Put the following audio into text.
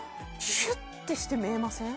シュッてして見えません？